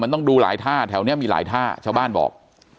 มันต้องดูหลายท่าแถวนี้มีหลายท่าชาวบ้านบอก